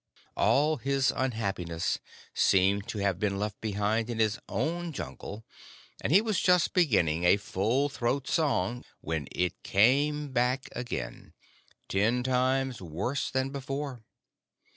All his unhappiness seemed to have been left behind in his own jungle, and he was just beginning a full throat song when it came back again ten times worse than before.